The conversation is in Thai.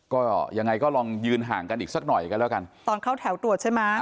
ก็ยังไงก็ลองยืนห่างกันอีกสักหน่อยกันแล้วกันตอนเข้าแถวตรวจใช่ไหม